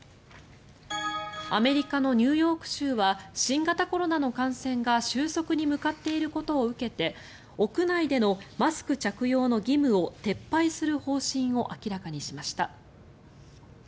アメリカのニューヨーク州は新型コロナの感染が収束に向かっていることを受けて屋内でのマスク着用の義務を撤廃する方針を明らかにしました。